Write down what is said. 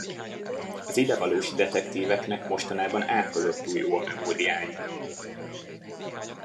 Az idevalósi detektíveknek mostanában átkozottul jó a memóriájuk.